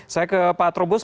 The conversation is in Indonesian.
saya ke pak trubus